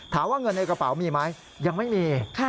ถามว่าเงินในกระเป๋ามีไหมยังไม่มี